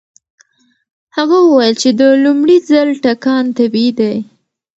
هغه وویل چې د لومړي ځل ټکان طبيعي دی.